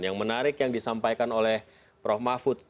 yang menarik yang disampaikan oleh prof mahfud